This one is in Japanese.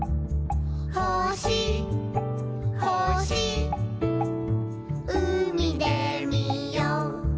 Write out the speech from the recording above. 「ほしほしうみでみよう」